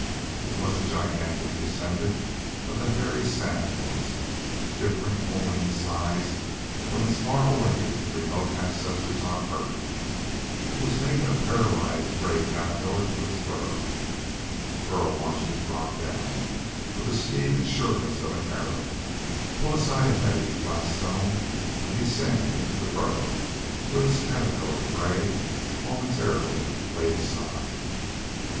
It was the gigantic descendant of the hairy sand wasp, differing only in size from its far away, remote ancestors on Earth. It was taking a paralyzed gray caterpillar to its burrow. Burl watched it drop down with the speed and sureness of an arrow, pull aside a heavy, flat stone, and descend into the burrow with its caterpillar prey momentarily laid aside.